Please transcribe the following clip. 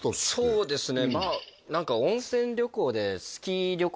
そうですね